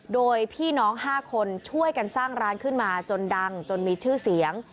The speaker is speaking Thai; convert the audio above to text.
โดยพี่น้อง๕คนช่วยกันสร้างร้านขึ้นมาจนดังจนมีชื่อเสียง